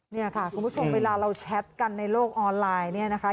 เนี่ยค่ะคุณผู้ชมเวลาเราแชทกันในโลกออนไลน์เนี่ยนะคะ